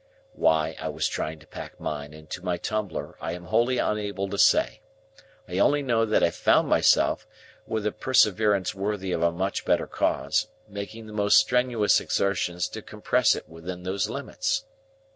Why I was trying to pack mine into my tumbler, I am wholly unable to say. I only know that I found myself, with a perseverance worthy of a much better cause, making the most strenuous exertions to compress it within those limits.